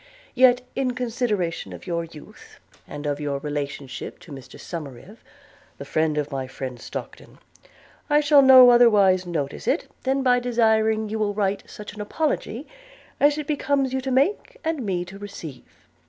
Yet, in consideration of your youth, and of your relationship to Mr Somerive, the friend of my friend Stockton, I shall no otherwise notice it than by desiring you will write such an apology as it becomes you to make, and me to receive.